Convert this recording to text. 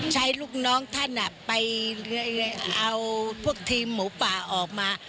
ลูกน้องท่านไปเอาพวกทีมหมูป่าออกมา